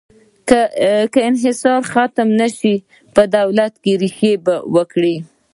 که انحصار ختم نه شي، په دولت کې ریښې به وکړي.